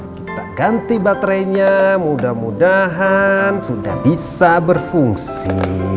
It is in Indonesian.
kita ganti baterainya mudah mudahan sudah bisa berfungsi